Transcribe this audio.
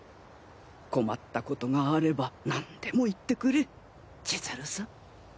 困ったことがあればなんでも言ってくれ千鶴さん。